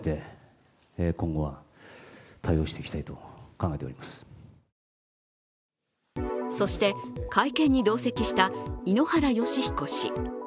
そして今日そして、会見に同席した井ノ原快彦氏。